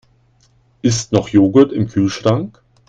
Ist noch Joghurt im Kühlschrank?